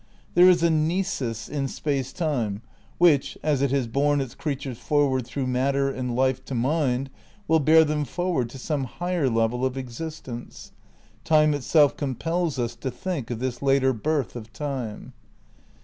'" "There is a nisus in Space Time which, as it has borne its crea tures forward through matter and life to mind, will bear them for ward to some higher level of existence. ... Time itself compels us to think of this later birth of Time."